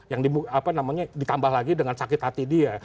yang ditambah lagi dengan sakit hati dia